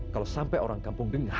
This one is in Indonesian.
kalau sampai orang kampung dengar